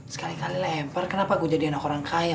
sekali kali lempar kenapa gue jadi anak orang kaya